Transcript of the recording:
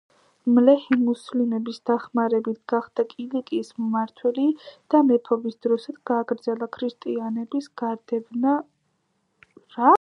მლეჰი მუსლიმების დახმარებით გახდა კილიკიის მმართველი და მეფობის დროსაც გააგრძელა ქრისტიანების განდევნა სამეფოდან.